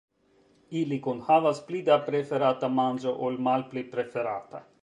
Ili kunhavas pli da preferata manĝo ol malpli preferata.